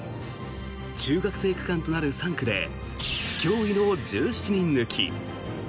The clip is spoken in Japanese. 中学生区間となる３区で驚異の１７人抜き。